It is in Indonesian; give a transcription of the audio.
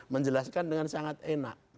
menjelaskan dengan sangat enak